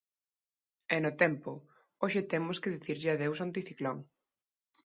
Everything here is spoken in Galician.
E no tempo, hoxe temos que dicirlle adeus ao anticiclón.